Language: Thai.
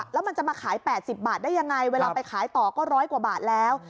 แล้วมันจะมาขาย๘๐บาทได้ยังไงเวลาไปขายต่อก็๑๐๐กว่าบาทแล้ว